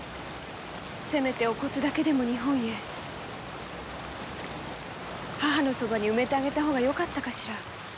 せめてお骨だけでも日本へ母のそばに埋めてあげた方がよかったかしら。